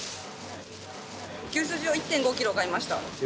牛すじを１．５ｋｇ買いました。